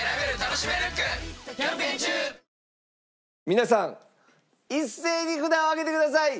皆さん一斉に札を上げてください。